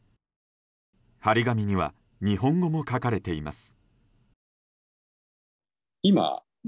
貼り紙には日本語も書かれています。